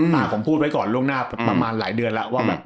ผมพูดไว้ก่อนล่วงหน้าประมาณหลายเดือนแล้วว่าแบบ